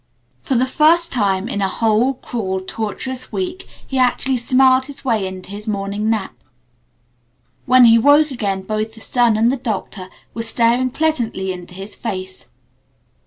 For the first time in a whole, cruel tortuous week he actually smiled his way into his morning nap. When he woke again both the sun and the Doctor were staring pleasantly into his face.